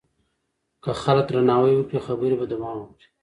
که خلک درناوی وکړي خبرې به دوام وکړي.